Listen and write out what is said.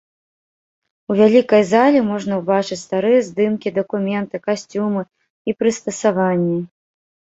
У вялікай зале можна ўбачыць старыя здымкі, дакументы, касцюмы і прыстасаванні.